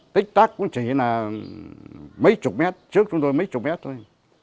tích tắc cũng chỉ là mấy chục mét trước chúng tôi mấy chục mét thôi